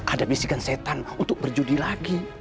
ada bisikan setan untuk berjudi lagi